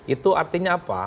itu artinya apa